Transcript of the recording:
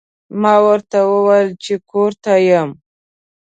ما ورته وویل چې کور ته یم.